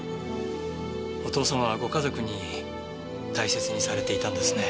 お父様はご家族に大切にされていたんですね。